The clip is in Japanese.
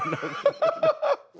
ハハハハ！